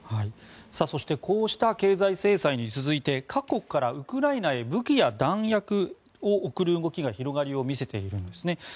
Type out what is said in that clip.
そしてこうした経済制裁に続いて各国からウクライナへ武器や弾薬を送る動きが広がりを見せているんですね。